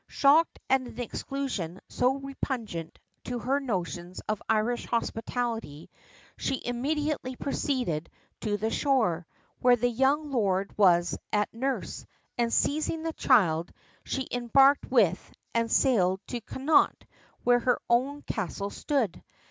Shocked at an exclusion so repugnant to her notions of Irish hospitality, she immediately proceeded to the shore, where the young lord was at nurse, and seizing the child, she embarked with, and sailed to Connaught, where her own castle stood.